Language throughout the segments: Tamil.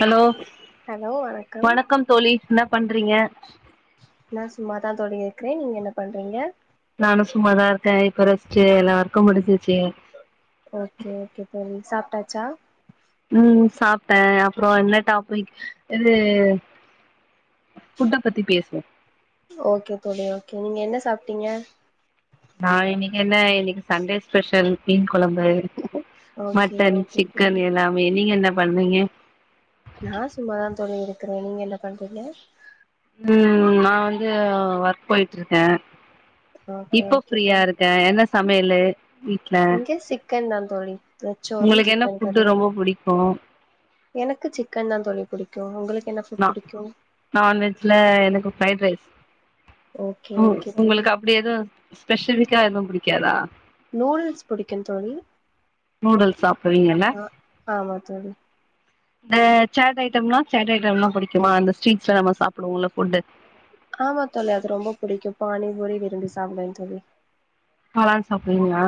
ஹலோ வணக்கம் தோழி என்ன பண்றீங்க நான் சும்மாதான் தோழி இருக்கிறேன் நீங்க என்ன பண்றீங்க நானும் சும்மாதான் இருக்கேன் இப்ப ரெஸ்ட்டு எல்லா ஒர்க்குமா முடிஞ்சிச்சு ஓகே ஓகே தோழி சாப்ட்டாச்சா ம் சாப்பிட்டேன் அப்புறம் என்ன டாபிக் இது ஃபுட்ட பத்தி பேசுவோம் ஓகே தோழி ஓகே நீங்க என்ன சாப்ட்டீங்க நான் இன்னைக்கு என்ன இன்னைக்கு சண்டே ஸ்பெஷல் மீன் குழம்பு ஓகே மட்டன் ஓகே தோழி சிக்கன் எல்லாமே நீங்க என்ன பண்றீங்க ருக்கேன் நீங்க என்ன பண்றீங்க ம் நான் வந்து ஒர்க் போய்ட்டு இருக்கேன் ஓகே இப்போ ஓகே ஃப்ரீயா தோழி இருக்கேன் என்ன சமையலு வீட்ல இங்க சிக்கன் தான் தோழி நச்சோரும் உங்களுக்கு என்ன சிக்கன் ஃபுட்டு கரியும் ரொம்ப புடிக்கு எனக்கு சிக்கன் தான் தோழி புடிக்கும் உங்களுக்கு என்ன ஃபுட் புடிக்கு நான்வெஜ்ல எனக்கு ஃப்ரைட் ரைஸ் ஓகே ஓகே தோழி உங்களுக்கு அப்படி எதுவும் ஸ்பெசிபிக்கா எதுவும் புடிக் கே தான் நூடுல்ஸ் புடிக்கும் தோழி நூடுல்ஸ் சாப்படுவீங்கல்ல ஆ ஆமா தோழி இந்த சேட் ஐட்டம்லாம் சேட் ஐட்டம் எல்லாம் புடிக்குமா இந்த ஸ்ட்ரீட்ஸ்ல நம்ம சாப்பிடுவோம்ல ஃபுட்டு ஆமா தோழி அது ரொம்ப புடிக்கும் பானி பூரி விரும்பி சாப்பிடுவேன் தோழி காளான் சாப்றீங்களா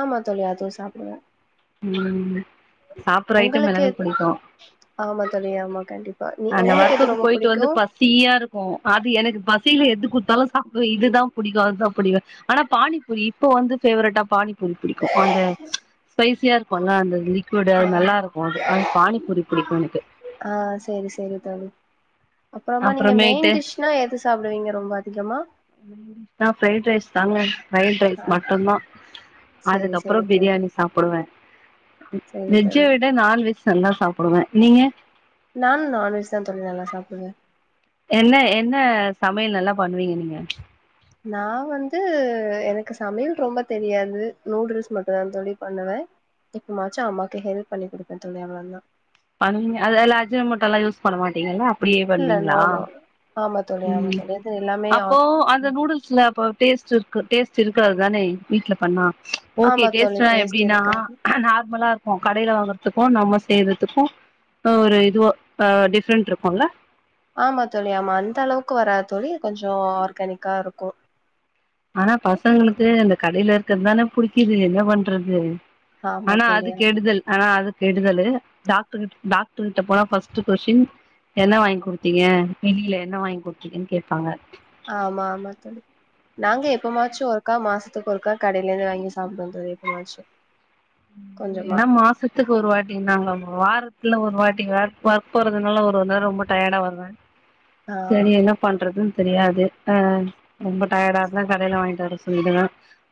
ஆமா தோழி அதுவும் சாப்பிடுவேன் ம் சாப்பற ஐட்டம் உங்களுக்கு எல்லாமே புடிக்கும் ஆமா தோழி ஆமா கண்டிப்பா நீ அந்த உங்களுக்கு எது ஒர்க்குக்கு ரொம்ப போயிட்டு புடிக்கு வந்து பசியா இருக்கும் அது எனக்கு ப சில எது குடுத்தாலும் சாப்படுவே இதுதான் புடிக்கும் அதுதான் புடிக்கும் ஆனா பானிபூரி இப்ப வந்து பேவரட்டா பானிபூரி புடிக்கும் அந்த ஸபைசியா இருக்கும்லா அந்தலிக் கூடு ஆ அது நல்லா இருக்கும் அது பானிப்பூரி புடிக்கும் எனக்கு ஆ சேரி சேரி தோழி அப்புறமா நீங்க அப்புறமேட்டு மெயின் டிஷ்னா எது சாப்டுவீங்க ரொம்ப அதிகமா ஃப்ரைட் ரைஸ் தாங்க ஃப்ரரைட் ரைஸ் ஆ மட்டும்தான் சேரி சேரி அதுக்கப்புறம் தோழி பிரியாணி சாப்புடுவேன் சேரி வெஜ்ஜை தோழி விட நான் வெஜ் எல்லாம் சாப்பிடுவேன் நீங்க நானும் நான்வெஜ் தான் தோழி நல்லா சாப்பிடுவேன் எல்லா என்ன என்ன சமையல் நல்லா பண்ணுவீங்க நீங்க நான் வந்து எனக்கு சமையல் ரொம்ப தெரியாது நூடுல்ஸ் மட்டும் தான் தோழி பண்ணுவேன் எப்போவாச்சும் அம்மாக்கு ஹெல்ப் பண்ணி குடுப்பேன் தோழி அவ்வளோ தான் அது அதுல்ல அஜ்ன மொட்டோல்லாம் யூஸ் பண்ண மாட்டீங்கள அப்படியே இல்ல நோ பண்ணுவீங்களா நோ ஆமா தோழி ஆமா ம் தோழி அது எல்லாமே ஆ அப்போ அந்த நூடுல்ஸ்ல அப்ப டேஸ்ட் இரு க்கு டேஸ்ட் இருக்காது தானே வீட்ல பண்ணா ஓகே ஆமா தோழி டேஸ்ட்னா டேஸ்ட் எப்படினா இருக்காது நார்மலா இரு கடையில வாங்கறதுக்கும் நம்ம செய்றதுக்கும் ஒரு இதுவ ஆ டிஃப்ரென்ட் இருக்கும்ல ஆமா தோழி ஆமா அந்த அளவுக்கு வராது தோழி கொஞ்சம் ஆர்கானிக்கா இருக்கும் ஆனா பசங்களுக்கு அந்த கடையில இருக்கிறதுதானே புடிக்குது என்ன பண்றது ஆமா ஆனா தோழி அது கெடுதல் ஆனா அது கெடுதலு டாக்டர் டாக்டர் கிட்ட போனா ஃபர்ஸ்ட்டு கொஸ்டின் என்ன வாங்கி குடுத்தீங்க வெளியில என்ன வாங்கி குடுத்தீங்கன்னு கேட்பாங்க ஆமா ஆமா தோழி நாங்க எப்பமாச்சும் ஒருக்கா மாசத்துக்கு ஒருக்கா கடையில இருந்து வாங்கி சாப்பிடுவோம் தோழி எப்பமாச்சும் ஏன்னா மாசத்துக்கு ஒரு வாட்டி நாங்க வாரத் இல்லா ஒரு வாட்டி வேக் ஒர்க் போறதுனால ஒரு ஒரு நேரம் ரொம்ப டயர்டா வருவேன் ஆ சரி என்ன பண்றது தெரியாது ஆ ரொம்ப டயர்டா இருந்தா கடைல வாங்கிட்டு வர சொல்லிடுவே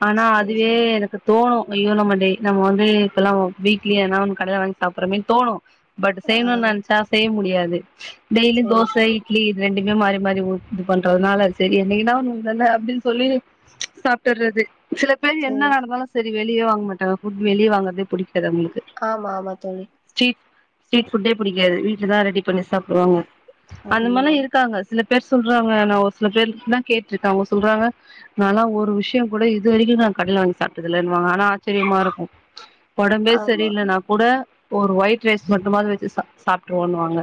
ஆனா சரி அதுவே சரி எனக்கு தோணு ஐயோ நம்ம டே நம்ம வந்து இப்பல்லா வீக்லி ஆனா ஒன்னு கடைல வாங்கி சாப்றமே தோணு பட் ஆ செய்யணுன் நெனச்சா செய்ய முடியாது து டெய்லியு சரி தோச சரி இட்லி இது ரெண்டு இன்னு மாரி மாரி உட் இது பண்றதுனால சரி என்னக்கு தா ஒன்னு அப்டின் சொல்லி சாப்டுறது சில பேர் சரி என்ன நடந்தாலு சரி வெளிய வாங் மாட் ஃபுட் வெளிய வாங்கறது புடிக் ஆமா ஆமா தோழி ஸ்டீட் ஃபுட்டே புடிக்காது வீட்ல தா ரெடி பண்ணி சாப்டுவாங்க அந்த ஆமா மாரிலா ஆமா இருக்காங்க சில ப் தா சொல்றாங்க நா ஒரு சில பேரு தான் கேட்ருக்கே அவுங்க சொல்றாங்க நல்லா ஒரு விஷயம் கூட இதுவரைக்கும் நா கடேல வாங்கி சாப்புட்ட தில்லன்னு வாங்க ஆனா ஆச் சிரியாம இருக்கும் ஒடம்பே ஆமா சரியில்லனா கூட ஒரு ஒயிட் ரைஸ் மட்டுமாது வச்சு சாப்டுருவோனு வாங்க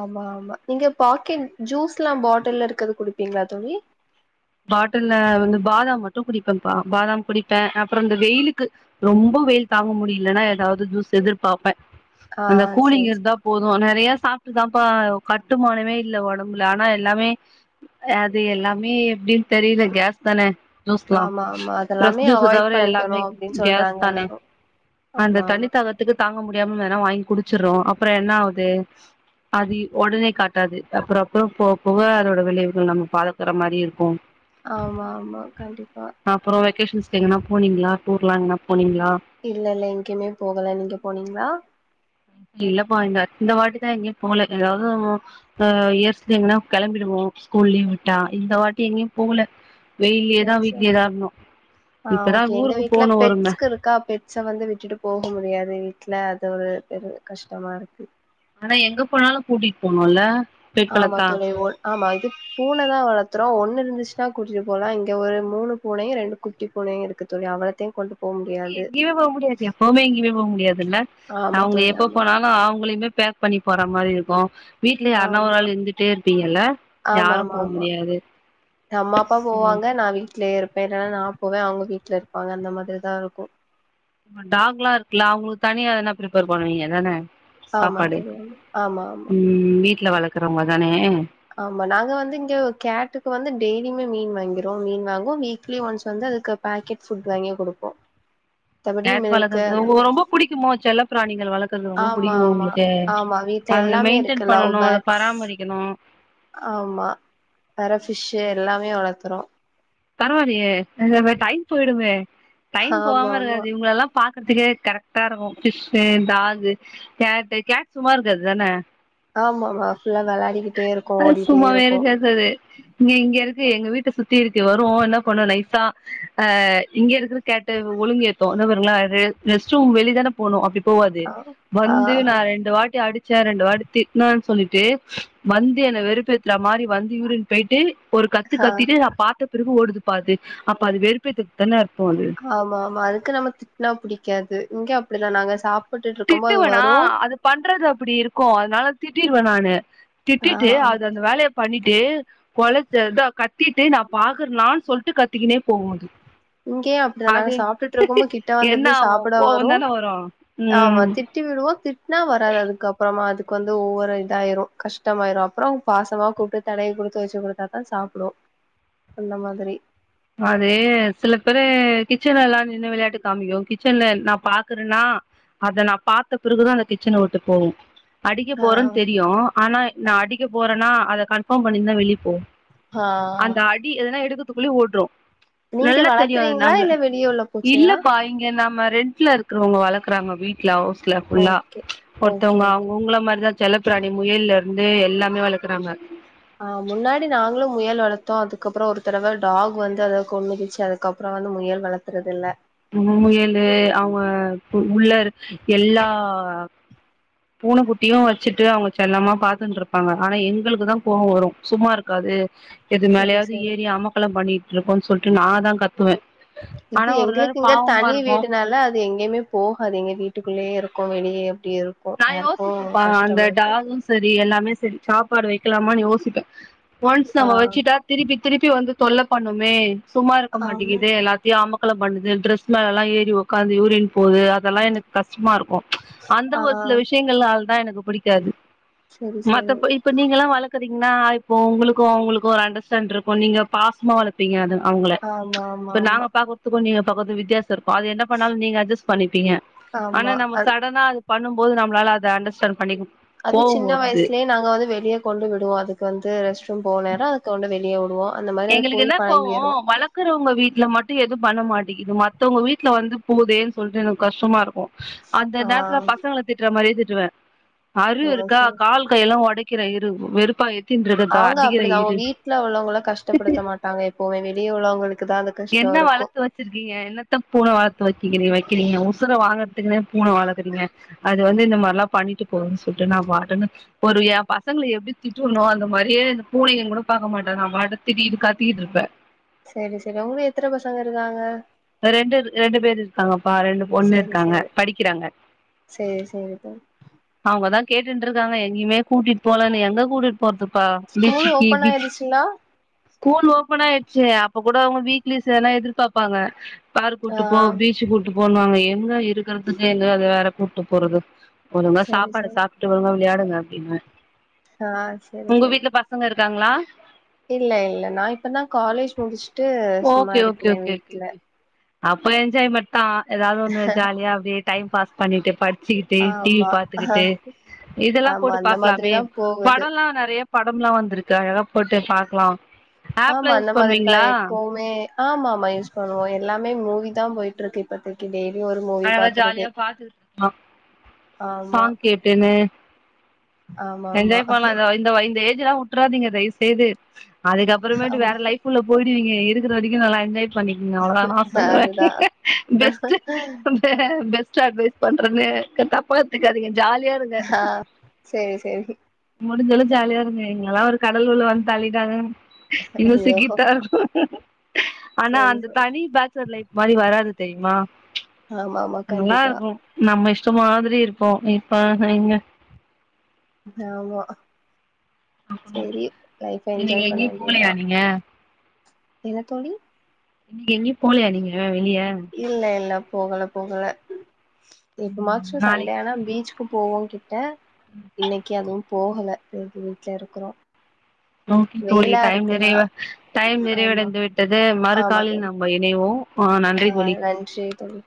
ஆமா ஆமா நீங்க பாக்கெட் ஜூஸ் எல்லா பாட்டில் இருக்கது குடிப்பீங்ளா தோழி பாட்டில வந்து பாதாம் மட்டு குடிப்பேன் பா பாதாம் குடிப்பேன் அப்புறம் இந்த வெயிலுக்கு ரொம்ப வெயில் தாங்க முடியலன்னா ஏதாவுது ஜூஸ் எதிர்பாப்பேன் ஆ அந்த கூலிங் சரி சரி. இருந்தா போதும் நெறைய சாப் அதான்பா கட்டுமானமே இல்ல ஒடம்புல ஆனா எல்லாமே அது எல்லாமே அப்டின் தெரில கேஸ் தானே ஜூஸ்லா ஆமா ஆமா ஃப்ரஸ் அதெல்லாமே ஜூஸ் அவாய்ட் தவிர பண்ணிக்கணு எல்லாமே அப்டின்னு கேஸ் சொல்றாங்க தானே எல்லாரு அந்த ஆமா தண்ணி ஆமா தாகத்துக்கு தாங்க முடியாம வேணா வாங்கி குடிச் வச்சிரோம் அப்ற என்ன ஆவுது அது ஒடனே காட்டாது அப்றம் அப்றம் போக போக அதோட விளைவுகள் நம்ம பாக்கற மாரி இருக்கும் போன் ஆமா ஆமா கண்டிப்பா அப்புறோ வெக்கேஷன்ஸ்க்கு எங்கனா போனீங்ளா டூர்லா எங்கனா போனீங்க இல்ல இல்ல எங்கிமே போகல நீங்க போனீங்ளா இல்லப்பா இந்த இந்த வாட்டிதா எங்கியு போல ஏதாவுது இயர்ஸ் எங்கனா கிளம்பிடுவோம் ஸ்கூல் லீவ் விட்டா இந்த வாட்டி எங்கேயு போவுல செரி செரி ஆ இப்பதா ஓகே எங்க ஊருக்கு வீட்ல போனு ஒரும பெட்ஸ்க்கு இருக்கா பெட்ஸ வந்து விட்டுட்டு போக முடியாது வீட்ல அது ஒரு பெரு கஷ்டமா இருக்கு ஆனா எங்க போனாலு கூட்டிட்டு போனும்ல்ல ஆமா தொலைவோல் ஆமா இது கூல் பூன தா வளத்தரோ ஒன்னு இருந்துச்சுன்னா கூட்டிட்டு போலா இங்க ஒரு மூணு பூனையு ரெண்டு குட்டி பூனையு இருக்குது அவளத்தையு கொண்டு போ முடியாது எங்கெயுமே போ முடியாது எப்பவுமே எங்கெயுமே போ முடியாது இல்ல ஆமா அவுங்க தோழி எப்ப ஆமா போனாலு அவங்களையுமே பேக் பண்ணி போற மாரி இருக்கு வீட்ல யாரன ஒரு ஆமா ஆள் இருந்துட்டே இருப்பீங்கல்ல யாரு போ ஆமாமாமா முடியாது அம்மா அப்பா போவாங்க நா வீட்லயே இருப்பே இலன்னா நா போவே அவங்க வீட்ல இருப்பாங்க அந்த மாரிதா இருக்கு இப்ப டாக் எல்லா இருக்குல அவங்களுக்கு தனியா எதனா பிரிப்பேர் பண்ணுவீங்க தானே ஆமா தெரியாம ஆமா ஆமா ம் வீட்ல வளக்கறவங்க தானே ஆமா நாங்க வந்து இங்க கேட்டுக்கு வந்து டெய்லியுமே மீன் வாங்கிறோ மீன் வாங்குவோ வீக்லி ஒன்ஸ் வந்து அதுக்கு பேக்கெட் ஃபுட் வாங்கி குடுப்போ மத்தபடி கேர்ஃபால் மில்க்கு ஏதாது அந்த மாதிரி ரொம்ப புடிக்குமோ செல்லப் பிராணி ஆமா ஆமா ஆமா வீட்ல அத எல்லாமே இருக்கு மெயின்டென் லவ் பண்ணணு அத ஃபேர்ட்ஸ் பராமரிக்கணு ஆமா ஃபிஷ்ஷு எல்லாமே வளக்குறோ பரவால்லையே இத டைம் போயிருமே டைம் ஆமா போகாம ஆமா இருக்காது இவங்கள எல்லா பாக்கறதுக்கே கரெக்ட்டா இருக்கு ஃபிஷ்ஷு டாகு கேட்டு கேட் சும்மா இருக்காது தானே ஆமா ஆமா ஃபுல்லா வெளாடிக்கிட்டே இருக்கு அது ஓடிட்டே சும்மாவே இருக்கு இருக்காது தீர் இங்க வரு என்ன பண்ணு நைசா இங்க இருக்க கேட்ட ஒழுங்க ஏத்தோ என்னங்கள வெளிதானே போனு அப்டி போவாது ஆ ஆ வந்து நா ரெண்டு வாட்டி அடி சேர ரெண்டு வாட்டி திட்டுனேனு சொல்லிட்டு வந்து என்னை வெறுப்பேத்துற மாரி வந்து யூரின் போயிட்டு ஒரு கத்து ஆ கத்திட்டு நா பாத்தப் பிறகு ஓடுதுப்பா அது அப்ப வெறுப்பேத்துக் தான அர்த்தம் அது காவா மறுக்க நம்ம திட்னா புடிக்காது இங்க அப்டிதா நாங்க சாப் திட்டுவேனா அது பண்றது அப்டி இருக்கும் அதனால திட்டினு நானு ஆ திட்டிட்டு அது அந்த வேலைய பண்ணிட்டு கொலைச்சத கத்திட்டு நா பாக்குறேனான்னு சொல்லிட்டு கத்திக்கினே போகும் அது இங்கேயும் அப்டி தா நாங்க அது சாப்பிட்டுட்டு இருக்கும்போ கிட்ட என்ன வந்திருந்து ஆவு சாப்பிட கோவந் வரும் தான வரு ஆமா ம் திட்டி விடுவோம் நா வராது அதுக்கு அப்றோமா அது க்கு வந்து ஒவ்வொரு இதாயிரும் கஷ்டமாயிரும் அப்றோம் பாசமா கூப்பிட்டு தடவி குடுத்து வச்சு குடுத்தா தாசாப்பிடும் அந்த மாரி அதே சில பேரு கிச்சன்ல எல்லா நின்னு விளையாட்டு காமிக்கும் கிச்சன்ல நா பாக்குறேனா அது நா பாத்த பிறகு தா கிச்சனை விட்டுப் போகும் அடிக்க ஆ போறேன்னு தெரியும் ஆனா நா அடிக்க போற நா அதை கன்ஃபார்ம் பண்ணி தா வெளிய போவேன் ஆ அந்த அடி எதனா எடுக்க [unintelligible] ரோ நீங்க நல்லா தெரியும் அது வளர்த்துறீங்களா நம்மள இல்ல வெளிய உள்ள பூச்சையா இல்லப்பா இங்க நாம ரெண்ட்ல இருக்கிறவங்க வளர்க்குறாங்க வீட்ல அவு இல்ல ஃபுல்லா ஓகே ஓகே ஒருத்தவுங்க ஓகே உங்கள மாரி தா செல்லப்பிராணி முயல்ல இருந்து எல்லாமே வளர்க்குறாங்க ஆ முன்னாடி நாங்களும் முயல் வளர்த்தோம் அதுக்கப்றோம் ஒரு தடவை டாக் வந்து அதை கொன்னுடுச்சு அதுக்கப்றோ வந்து முயல் வளத்துறது இல்ல ம் முயலு அவுங்க உள்ள எல்லா பூனைக்குட்டியும் வச்சுட்டு அவுங்க செல்லமா பாத்துட்டு இருப்பாங்க ஆனா எங்களுக்குதான் கோவம் வரும் சும்மா இருக்காது எது சரி மேலயாவது சரி ஏறி அமக்கலம் பண்ணி இருக்கன்னு சொல்லிட்டு நா தா கத்துவேன் இது எங்களுக்கு இங்க தனி வீடுனால அது எங்கேயுமே போகாது எங்க வீட்டுக்கு ள்ளயே இருக்கும் வெளியே இருக்கும் நா யாருக்கும் யோசிப்பப்பா அந்த கஷ்டம் இருக்காது டாகும் சரி எல்லாமே செரி சாப்பாடு வைக்கலாமான்னு யோசிப்பேன் ஒன்ஸ் நம்ம ஆ வச்சிட்டா திருப்பி திருப்பி வந்து தொல்ல பண்ணுமே சும்மா இருக்க ஆமா மாட்டேங்குது எல்லாத்தையும் ஆமா பண்ணுது டிரெஸ் மேல எல்லாம் ஏறி உக்காந்து யூரின்னு போகுது அதெல்லாம் எனக்கு கஷ்டமா இருக்கும் ஆ சில விஷயங்களால தா எனக்கு பிடிக்காது சரி சரி மத்த இப்ப நீங்க எல்லா வளக் ீங்கன்னா இப்போ உங்களுக்கு ஆவுங்களுக்கு ஒரு அண்டர்ஸ்டாண்ட் இருக்கு நீங்க பாசமா வளப்பீங்க அது அவுங்கள ஆமா ஆமா இப்ப ஆமா நாங்க பாக்குறது கும் நீங்க பக்க வித்தி இருக்கு அது என்ன பாண்ணாலு நீங்க அஜ்ஜஸ் பண்ணிப்பீங்க ஆனா ஆமா நம்ம அது சடனா பணம் போது நம்மளால அத அண்டர்ஸ்டாட் பண்ணிக்கும் அது சின்ன வயசுலேயே நாங்க வந்து வெளியே கொண்டு விடுவோ அதுக்கு வந்து போன நேரோ அதுக்குண்டந்து வெளியே விடுவோ அந்த மாரி அது எங்களுக்கு போய் என்ன கோவோ பழகிரு வளக்குற உங்க வீட்ல மட்டும் எதுவும் பண்ண மாட்டேங்குது மத்தவங்க வீட்ல வந்து போகுதேன்னு சொல்லிட்டு எனக்கு கஷ்டமா இருக்கு அந்த ஆ நேரத்ல பசங்கள திட்ற மாதிரி திட்டுவ ஓ அருவு இருக்கா சரி கால் கையெல்லா ஒடைக்கி இருக்கிற இரு வெறுப்பாய் அவுங்க அப்டிதா அவுங்க வீட்ல உள்ளவங்கள கஷ்ட ப்படுத்த மாட்டாங்க எப்பவுமே வெளியே உள்ளவங்களுக்கு தா அந்த கஷ்டோ என்ன இருக்கு வளத்து வச்சிருக்கீங்க என்னத்த பூன வளத்து வச்சுருக்கீங்க நீ ிறீங்க உசுர வாங்குறதுக்குன்னே பூன வலக்குறீங்க அது வந்து இந்த மாதிர எல்லா பண்ணிட்டு போகுதுன்னு சொல்லிட்டு நா வாடன்னு ஒரு பசங்கள எப்டி திட்டுவனோ அந்த மாதிரியே இந்த பூனையு கூட பாக்க மாட்டே நா வாட்ட திட்டிகிட்டு இது காத்திக்கிட்டு இருப்பே சேரி செரி உங்க எத்தன பசங்க இருக்காங்க ரெண்டு ரெண்டு பேர் இருக்காங்கப்பா ரெண்டு பொண்ணு சரி இருக்காங்க சரி படிக்ககறாங்க சரி சரி தோழி அவுங்கதா கேட்டுன்ட்டு இருக்காங்க எங்கயுமே கூட்டிட்டு போலன்னு எங்க கூட்டு போதுப்பா ஸ்கூல் பீச்சுக்கு ஓபன் பீச்ச ஆயிடுச்சுங்களா ஸ்கூல் ஓப்பன் ஆயிடுச்சு அப்போ கூட அவுங்க வீக்லி சனா எதிர்பாப்பாங்க உ [unintelligible] பார் ஆ கூட்டு போ பீச்சு கூட்டு போ போண்ணுவாங்க என்ன இ இருக்கறத்து இது அது வேற கூட்டு போறது ஒழுங்கா சரி சாப்பாடு சாப்டுட்டு ஒழுங்கா விளயாடு நாட்டிம்மே சா சரி சரி காங்ளா இல்ல இல்ல நா இப்பதா காலேஜ் முடிச்சுட்டு சும்மா ஓகே ஓகே இருக்குறேன் ஓகே வீட்ல ஓகே அப்ப என்ஜாய்மட் தா ஏதாவுது ஒன்னு ஜாலியா அப்டியே டைம் பாஸ் பண்ணிட்டு படிச்சுக்கிட்டு டி வி ஆமா பாத்துக்கிட்டு அஹ், இதெல்லா ஆமா போட்டு அந்த பாக்கலாமே மாதிரிதா போகுது படம்லாம் நெறைய படமுலாம் வந்திருக்கு அதலா போட்டு பாக்கலாம் ஆ அந்த மாதிரிதான் எப்பவுமே ஆமா ஆமா யூஸ் பண்ணுவோம் எல்லாமே மூவி தான் போயிட்டு இருக்கு இப்பதைக்கி டெய் அழகா ஜாலியா பாத்துட்டு இருக்கோ ஆமா சாங் கேட்டுன்னு ஆமா ஆமா என்ஜாய் பண்ணலாம் இந்த வை இந்த ஏஜ்ஜெல்லா உட்டுறாதீங்க தய்செய்து அதுக்கப்ற மேட்டு ஆமா வேற லைப் குள்ள போயிடுவீங்க இருக்குற வரைக்கும் நல்ல என்ஜாய் பண்ணிக்குங்க அவ்ளோதா நா சொல்லுவேன் அதுதா பெஸ்ட் பெஸ் ஸ்டா அட்வைஸ் பண்றேன்னு தப்பா எத்துகாதிங்க ஆ சேரி சேரி முடிஞ்ச அளவு ஜாலியா இருங்க எங்கில்லா ஒரு கடல் உள்ள வந்து தள்ளிட்டாங்க இன்னு ஐயோ சிக்கிடா ஆனா சேரி அந்த சேரி தனி பேச்சுலர் லைப் மாரி வராது தெரியுமா ஆமா ஆமா நல்லா கண்டிப்பா இருக்கும் நம்ம இஷ் சு மாதிரி இருப்போம் இப்ப ஹ இங்க ஆமா அப்டினா சேரி லைஃப இன்னக்கி என்ஜாய் பண்ண எங்கயும் போலயா வேண்டியதா நீங்க என்ன தோழி இன்னைக்கு எங்கயும் போலயா நீங்க அ வெளிய இல்ல இல்ல போகல போகல எப்பமாச்சு நாளைக்கு சண்டே ஆனா பீச் எப்ப போவு ஓகே ட இன்னைக்கு அது போகல வீட்ல இருக்குறோ ஓகே தோழி வெயிலா டைம் இருக்குன்னா நிற டைம் ஆமா நிறைவடைந்து விட்டது ஆமா மறுகாலில் தோழி நாம் இணைவோம் ஆ நன்றி தோழி நன்றி தோழி